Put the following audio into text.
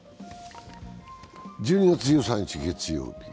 １２月１３日月曜日。